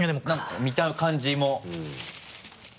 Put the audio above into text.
見た感じも。